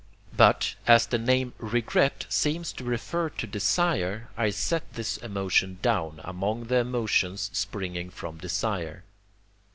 But, as the name regret seems to refer to desire, I set this emotion down, among the emotions springing from desire.